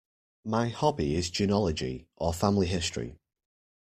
My hobby is genealogy, or family history.